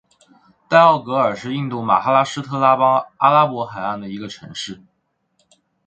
代奥格尔是印度马哈拉施特拉邦阿拉伯海岸的一个城市。